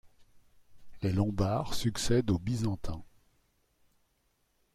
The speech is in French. Les Lombards succèdent aux Byzantins.